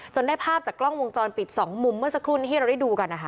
ได้ภาพจากกล้องวงจรปิดสองมุมเมื่อสักครู่นี้ที่เราได้ดูกันนะคะ